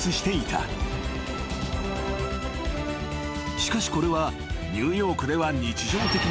［しかしこれはニューヨークでは］